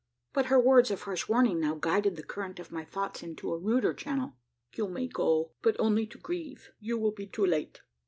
But her words of harsh warning now guided the current of my thoughts into a ruder channel "You may go, but only to grieve: you will be too late."